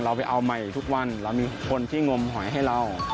ไปเอาใหม่ทุกวันเรามีคนที่งมหอยให้เรา